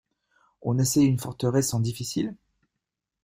On essaie une forteresse en difficile?